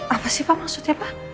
apa sih pak maksudnya pak